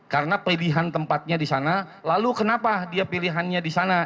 karena pilihan tempatnya di sana lalu kenapa dia pilihannya di sana